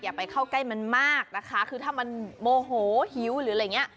ไปเข้าใกล้มันมากนะคะคือถ้ามันโมโหหิวหรืออะไรอย่างเงี้ย